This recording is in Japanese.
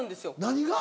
何が？